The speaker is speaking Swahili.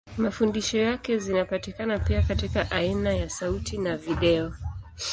Mafundisho yake zinapatikana pia katika aina ya sauti na video.